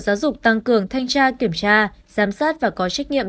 cơ sở giáo dục tăng cường thanh tra kiểm tra giám sát và có trách nhiệm